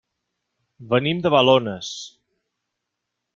Venim de Balones.